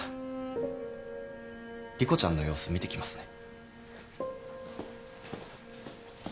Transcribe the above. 莉子ちゃんの様子見てきますね。